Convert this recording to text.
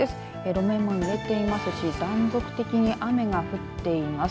路面もぬれていますし断続的に雨が降っています。